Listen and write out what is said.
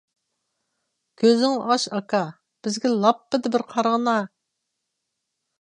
كۆزۈڭنى ئاچ، ئاكا، بىزگە لاپپىدە بىر قارىغىنا!